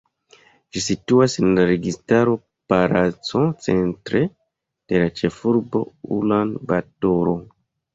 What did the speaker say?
Ĝi situas en la Registaro Palaco centre de la ĉefurbo Ulan-Batoro.